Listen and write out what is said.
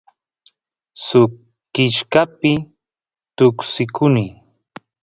suk kishkapi tuksikuny